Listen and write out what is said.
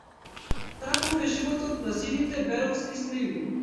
Таков е животот на сините беровски сливи.